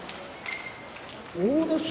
阿武咲